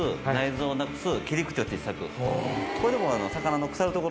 これでもう。